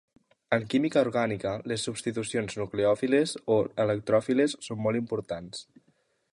En química orgànica les substitucions nucleòfiles o electròfiles són molt importants.